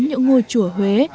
những ngôi chùa huế